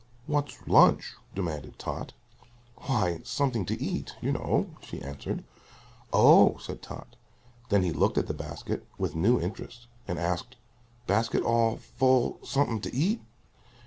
"What's lunch?" demanded Tot. "Why something to eat, you know," she answered. "Oh," said Tot. Then he looked at the basket with new interest and asked, "Basket all full somefin' t'eat?"